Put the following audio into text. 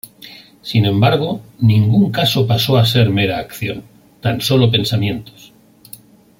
Sin embargo, ningún caso pasó a ser mera acción, tan solo pensamientos.